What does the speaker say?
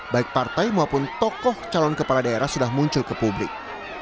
baik partai maupun tokoh calon kepala daerah sudah muncul ke publik